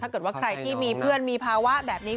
เกิดว่าใครที่มีเพื่อนมีภาวะแบบนี้